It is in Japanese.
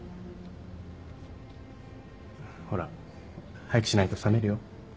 ほら早くしないと冷めるよ。